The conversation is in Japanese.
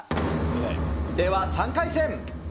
では、３回戦。